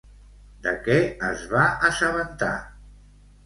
De què es va assabentar?